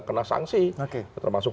kena sanksi termasuk